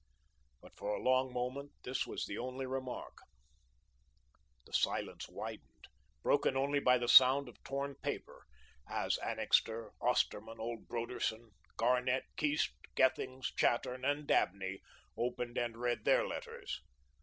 But for a long moment this was the only remark. The silence widened, broken only by the sound of torn paper as Annixter, Osterman, old Broderson, Garnett, Keast, Gethings, Chattern, and Dabney opened and read their letters.